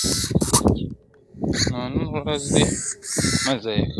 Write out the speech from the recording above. نو نن ورځ دې مه ضایع کوه